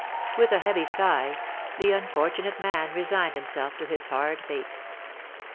With a heavy sigh, the unfortunate man resigned himself to his hard fate.